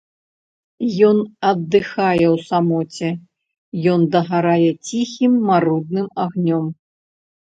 Ён аддыхае ў самоце, ён дагарае ціхім, марудным агнём.